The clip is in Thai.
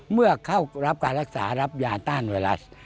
เมื่อเข้ารับการรักษารับยาต้านไวรัส